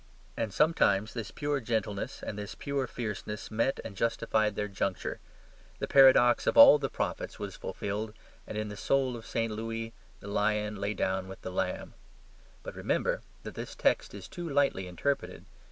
And sometimes this pure gentleness and this pure fierceness met and justified their juncture; the paradox of all the prophets was fulfilled, and, in the soul of St. Louis, the lion lay down with the lamb. But remember that this text is too lightly interpreted.